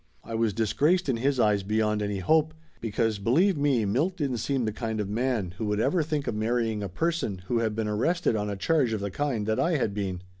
I was dis graced in his eyes beyond any hope, because believe me Milt didn't seem the kind of man who would ever think of marrying a person who had been arrested on a charge of the kind that I had been.